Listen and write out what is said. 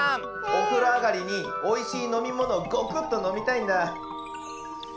おふろあがりにおいしいのみものをゴクッとのみたいんだ。